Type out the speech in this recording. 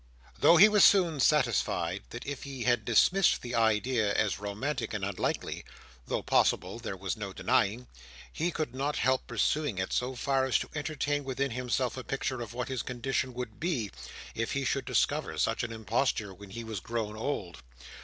Though he was soon satisfied that he had dismissed the idea as romantic and unlikely—though possible, there was no denying—he could not help pursuing it so far as to entertain within himself a picture of what his condition would be, if he should discover such an imposture when he was grown old.